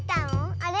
あれ？